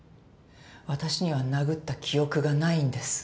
私には殴った記憶がないんです。